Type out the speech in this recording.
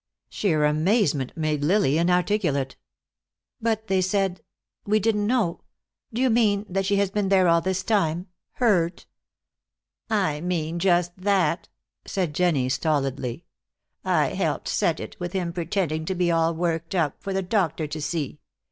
Sheer amazement made Lily inarticulate. "But they said we didn't know do you mean that she has been there all this time, hurt?" "I mean just that," said Jennie, stolidly. "I helped set it, with him pretending to be all worked up, for the doctor to see.